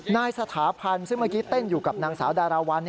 นายสถาพันธ์ซึ่งเมื่อกี้เต้นอยู่กับนางสาวดาราวัล